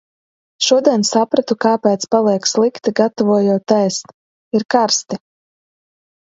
Šodien sapratu, kāpēc paliek slikti, gatavojot ēst, - ir karsti!